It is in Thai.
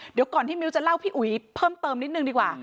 เดี๋ยวก่อนที่มิ้วจะเล่าพี่อุ๋ยเพิ่มเติมนิดนึงดีกว่า